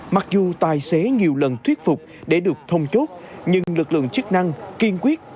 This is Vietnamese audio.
mặc dù tài xế nhiều lần thuyết phục để được thông chốt nhưng lực lượng chức năng kiên quyết